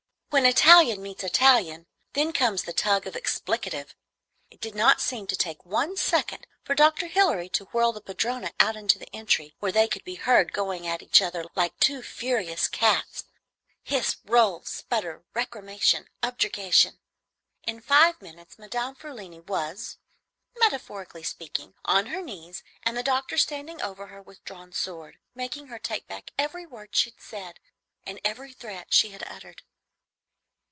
When Italian meets Italian, then comes the tug of expletive. It did not seem to take one second for Dr. Hilary to whirl the padrona out into the entry, where they could be heard going at each other like two furious cats. Hiss, roll, sputter, recrimination, objurgation! In five minutes Madame Frulini was, metaphorically speaking, on her knees, and the doctor standing over her with drawn sword, making her take back every word she had said and every threat she had uttered.